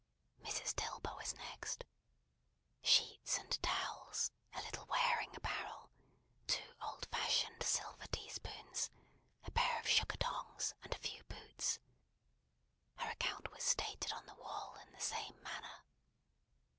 Mrs. Dilber was next. Sheets and towels, a little wearing apparel, two old fashioned silver teaspoons, a pair of sugar tongs, and a few boots. Her account was stated on the wall in the same manner.